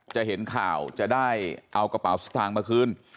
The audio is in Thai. จะเห็นข่าวจะได้เอากระเป๋าสตางค์มาคืน